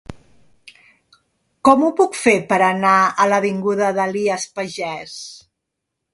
Com ho puc fer per anar a l'avinguda d'Elies Pagès?